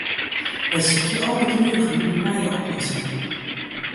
Wy sykje algeduerigen nei nije oplossingen.